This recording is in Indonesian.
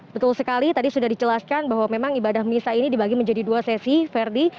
betul sekali tadi sudah dijelaskan bahwa memang ibadah misa ini dibagi menjadi dua sesi verdi